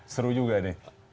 seru juga ini